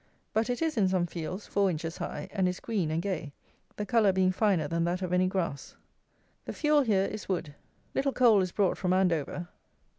But it is, in some fields, four inches high, and is green and gay, the colour being finer than that of any grass. The fuel here is wood. Little coal is brought from Andover.